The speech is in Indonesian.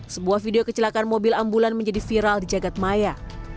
sebuah video kecelakaan mobil ambulan menjadi viral di jagadmaya